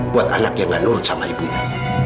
buat anak yang gak nurut sama ibunya